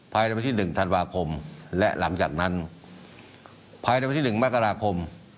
ภายในวันที่๑ธันวาคมและหลังจากนั้นภายในวันที่๑มกราคม